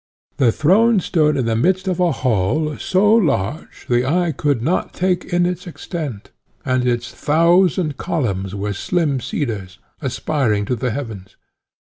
The throne stood in the midst of a hall, so large, the eye could not take in its extent; and its thousand columns were slim cedars, aspiring to the heavens.